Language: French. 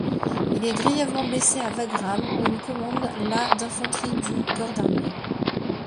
Il est grièvement blessé à Wagram, où il commande la d'infanterie du corps d'armée.